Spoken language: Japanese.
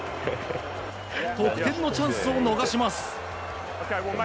得点のチャンスを逃します。